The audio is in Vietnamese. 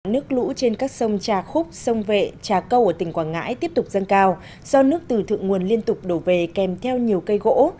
nước lũ trên các sông trà khúc sông vệ trà câu ở tỉnh quảng ngãi tiếp tục dâng cao do nước từ thượng nguồn liên tục đổ về kèm theo nhiều cây gỗ